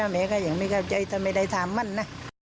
แม่ก็ยังไม่เข้าใจถ้าไม่ได้ถามมันนะ